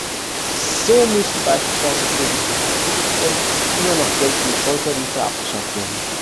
So müssen beispielsweise die für Kaffeeprodukte immer noch geltenden Zolltarife abgeschafft werden.